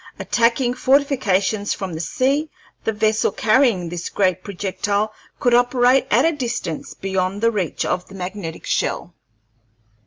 Attacking fortifications from the sea, the vessel carrying this great projectile could operate at a distance beyond the reach of the magnetic shell.